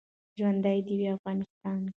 ژوندۍ د وی افغانستان